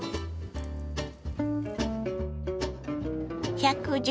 １１０